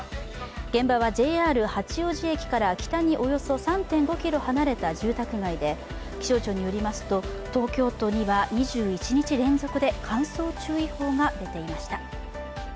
現場はＪＲ八王子駅から北におよそ３．５ｋｍ離れた住宅街で気象庁によりますと東京都には２１日連続で乾燥注意報が出ていました。